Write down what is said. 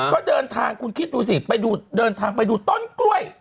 ก็เดินทางคุณคิดดูสิไปดูเดินทางไปดูต้นกล้วย